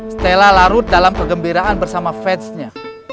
stella larut dalam kegembiraan bersama fansnya